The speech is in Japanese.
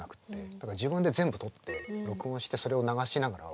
だから自分で全部取って録音してそれを流しながら覚える。